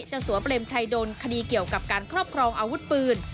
สัวเปรมชัยโดนคดีเกี่ยวกับการครอบครองอาวุธปืน